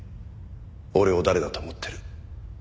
俺を誰だと思ってる。